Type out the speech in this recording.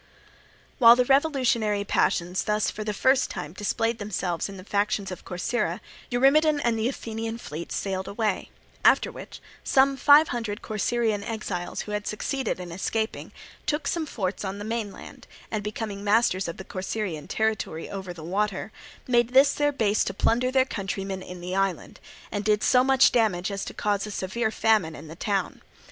While the revolutionary passions thus for the first time displayed themselves in the factions of Corcyra, Eurymedon and the Athenian fleet sailed away; after which some five hundred Corcyraean exiles who had succeeded in escaping, took some forts on the mainland, and becoming masters of the Corcyraean territory over the water, made this their base to Plunder their countrymen in the island, and did so much damage as to cause a severe famine in the town.